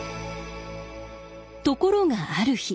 ところがある日。